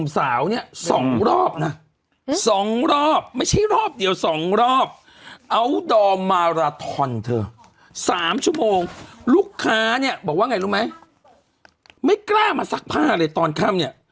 สามชั่วโมงลูกค้าเนี้ยบอกว่าไงรู้ไหมไม่กล้ามาซักผ้าเลยตอนข้ามเนี้ย